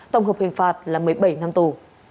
tổng hợp hình phạt là một mươi bảy năm tù